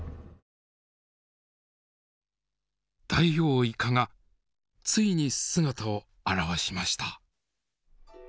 ダイオウイカがついに姿を現しました。